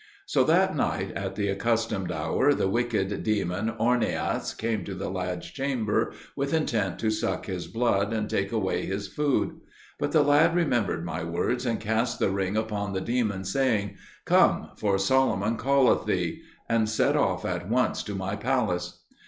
So that night at the accustomed hour the wicked demon Ornias came to the lad's chamber, with intent to suck his blood and take away his food. But the lad remembered my words, and cast the ring upon the demon, saying, "Come, for Solomon calleth thee," and set off at once to my palace.